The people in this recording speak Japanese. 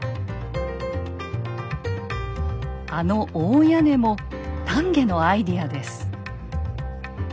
あの大屋根も丹下のアイデアです。